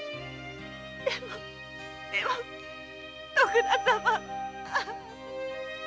でもでも徳田様。